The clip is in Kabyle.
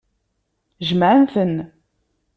Jemɛen-ten.